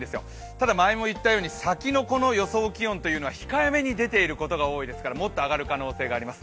ただ前も言ったように先のこの予想気温というのは控えめに出ていることがありますからもっと上がる可能性があります。